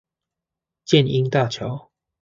箭瑛大橋